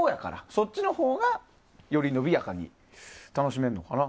そっちのほうがより、のびやかに楽しめるのかな。